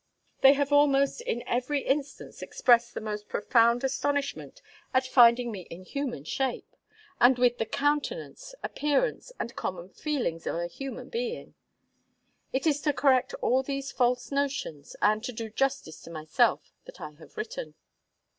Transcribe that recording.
They have almost in every instance expressed the most profound astonishment at finding me in human shape, and with the countenance, appearance, and common feelings of a human being. It is to correct all these false notions, and to do justice to myself, that I have written.